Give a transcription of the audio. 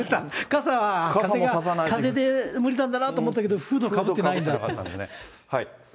傘は風で無理なんだなと思ったけど、フードかぶってないんだって。